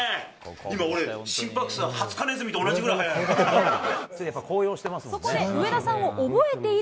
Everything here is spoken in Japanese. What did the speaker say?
今、俺、心拍数、ハツカネズミと同じぐらい速い。